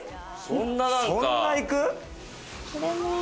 そんな行く？